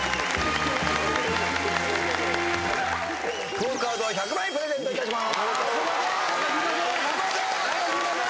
ＱＵＯカードを１００枚プレゼントいたします。